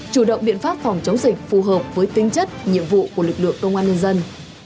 chủ động biện pháp phòng chống dịch phù hợp với tính chất nhiệm vụ của lực lượng công an nhân dân